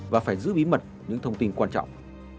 và phải giữ bí mật những thông tin quan trọng